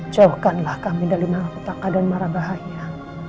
jauhkanlah kami dari malapetaka dan marah bahaya